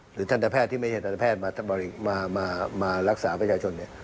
หรือทันทะแพทย์ที่ไม่ใช่ทันทะแพทย์มารักษาประชาชน